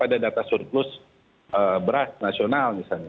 ada data surplus beras nasional misalnya